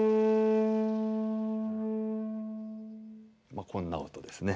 まあこんな音ですね。